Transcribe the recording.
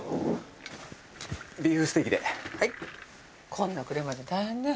こんな暮れまで大変ね。